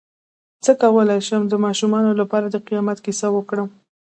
څ�ه کولی شم د ماشومانو لپاره د قیامت کیسه وکړم